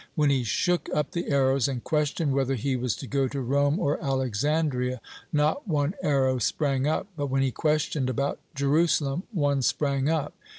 When he shook up the arrows, and questioned whether he was to go to Rome or Alexandria, not one arrow sprang up, but when he questioned about Jerusalem, one sprang up.